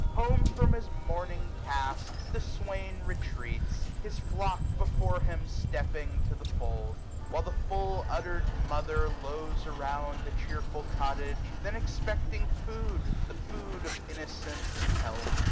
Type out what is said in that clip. Home, from his morning task, the swairl retreats ; His flock before him stepping to the fold : 221 While the fuU udder'd mother lows around The chearful cottage, then expecting food. The food of innocence, and health